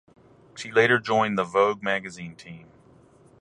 She later joined the "Vogue" magazine team.